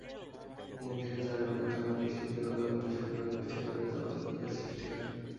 তিন থেকে চার ঘণ্টার টানা বৃষ্টিতে গতকাল বৃহস্পতিবার কুষ্টিয়া শহরে জলাবদ্ধতার সৃষ্টি হয়।